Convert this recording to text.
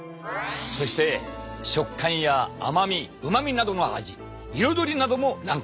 そして食感や甘みうまみなどの味いろどりなどもランクイン。